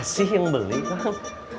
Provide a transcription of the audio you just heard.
si yang beli pak